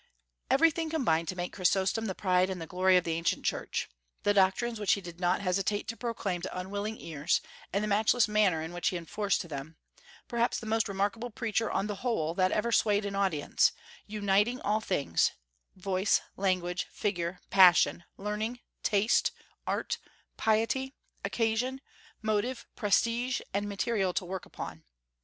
Everything combined to make Chrysostom the pride and the glory of the ancient Church, the doctrines which he did not hesitate to proclaim to unwilling ears, and the matchless manner in which he enforced them, perhaps the most remarkable preacher, on the whole, that ever swayed an audience; uniting all things, voice, language, figure, passion, learning, taste, art, piety, occasion, motive, prestige, and material to work upon.